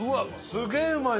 すげえうまい！